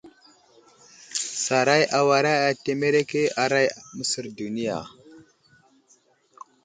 Saray awara ateremeke aray aməsər duniya.